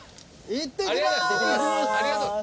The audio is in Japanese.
いってきまーす！